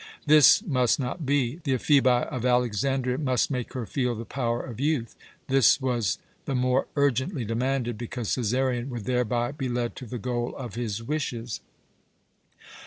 This must not be! The Ephebi of Alexandria must make her feel the power of youth. This was the more urgently demanded, because Cæsarion would thereby be led to the goal of his wishes.